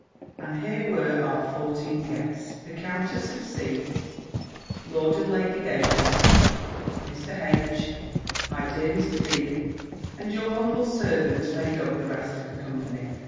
And here were our fourteen guests. The Countess of C., Lord and Lady Davers, Mr. H., my dear Mr. B. and your humble servant, made up the rest of the company.